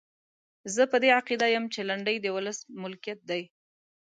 زه په دې عقیده یم چې لنډۍ د ولس ملکیت دی.